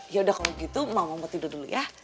yaudah kalau gitu mama mau tidur dulu ya